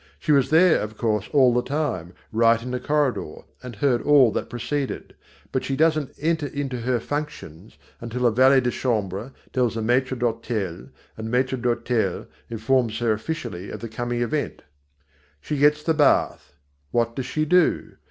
She was there, of course, all the time, right in the corridor, and heard all that proceeded, but she doesn't "enter into her functions" until the valet de chambre tells the maître d'hôtel and the maître d'hôtel informs her officially of the coming event. She gets the bath. What does she do?